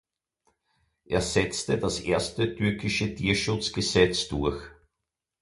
Er setzte das erste türkische Tierschutzgesetz durch.